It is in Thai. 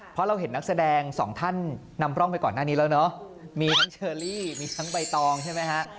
เพราะเราเห็นนักแสดงสองท่านนำร่องไปก่อนหน้านี้แล้วเนอะมีทั้งเชอรี่มีทั้งใบตองใช่ไหมฮะ